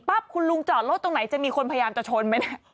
ปั๊บคุณลุงจอดรถตรงไหนจะมีคนพยายามจะชนไหม